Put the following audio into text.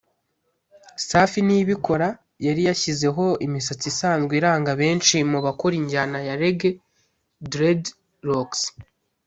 Safi Niyibikora yari yashyizeho imisatsi isanzwe iranga benshi mu bakora injyana ya Raggae(Dreadlocks)